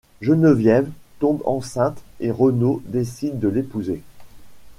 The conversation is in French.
Geneviève tombe enceinte et Renaud décide de l'épouser.